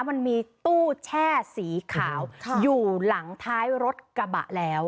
มันมีตู้แช่สีขาวอยู่หลังท้ายรถกระบะแล้ว